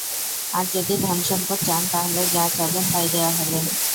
আর যদি ধনসম্পদ চান তাহলে যা চাবেন তাই দেয়া হবে।